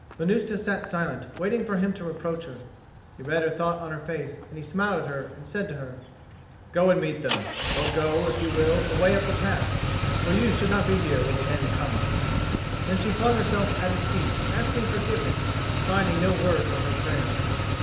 Venusta sat silent, waiting for him to reproach her. He read her thought on her face, and he smiled at her, and said to her, "Go and meet them; or go, if you will, away up the path. For you should not be here when the end comes." Then she flung herself at his feet, asking forgiveness, but finding no word for her prayer.